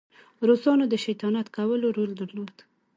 روسانو د شیطانت کولو رول درلود.